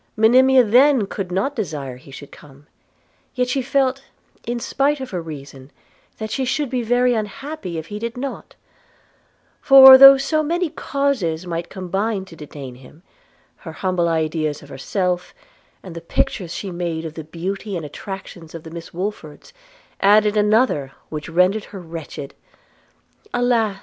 Monimia then could not desire he should come; yet she felt, in despite of her reason, that she should be very unhappy if he did not; for, though so many causes might combine to detain him, her humble ideas of herself, and the pictures she had made of the beauty and attractions of the Miss Woodfords, added another which rendered her wretched. 'Alas!'